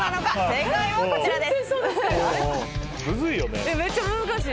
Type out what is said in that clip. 正解はこちらです。